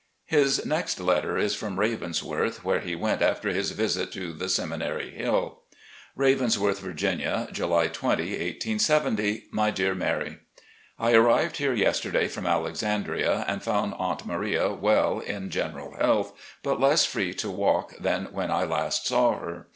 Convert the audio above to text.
His next letter is from " Ravensworth, " whore he went after his visit to the "Seminary Hill": "Ravensworth, Virginia, July 20, 1870. "My Dear Mary: I arrived here yesterday from Alex andria and found Aunt Maria well in general health, but less free to walk than when I last saw her.